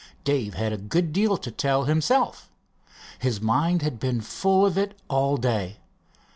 Dave had a good deal to tell himself. His mind had been full of it all day.